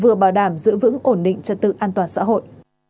vừa bảo đảm giữ vững ổn định trật tự an toàn xã hội